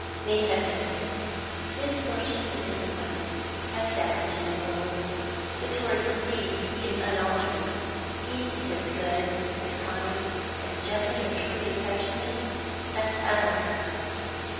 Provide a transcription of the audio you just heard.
May 2d. Misfortunes and disappointments have saddened him a little, but toward me he is unaltered. He is as good, as kind, as gently and truly affectionate as ever.